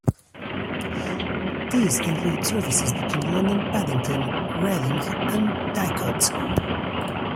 These include services between London Paddington, Reading and Didcot.